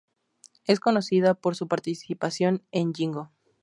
Es conocida por su participación en "Yingo".